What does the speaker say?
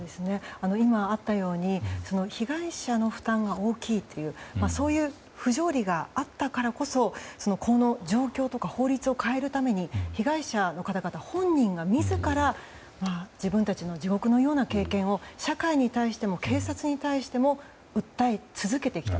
今あったように被害者の負担が大きいという不条理があったからこそこの状況とか法律を変えるために被害者の方々本人が自ら自分たちの地獄のような経験を社会に対しても、警察に対しても訴え続けてきた。